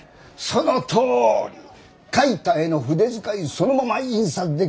そのとおり！描いた絵の筆遣いそのまま印刷できるのがすごいんですよ！